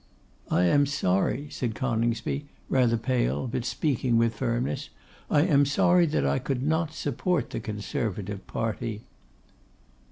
'I am sorry,' said Coningsby, rather pale, but speaking with firmness, 'I am sorry that I could not support the Conservative party.